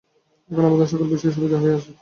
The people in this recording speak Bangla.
এখন আমাদের সকল বিষয়ে সুবিধা হইয়া আসিতেছে।